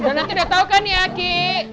ya donatnya udah tau kan ya kiki